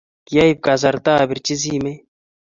kiaib kasarta apirchi simu.